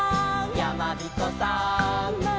「やまびこさん」